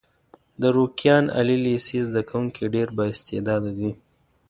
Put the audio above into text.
د روکيان عالي لیسې زده کوونکي ډېر با استعداده دي.